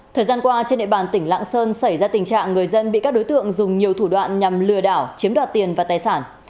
thời gian qua trên địa bàn tỉnh lạng sơn xảy ra tình trạng người dân bị các đối tượng dùng nhiều thủ đoạn nhằm lừa đảo chiếm đoạt tiền và tài sản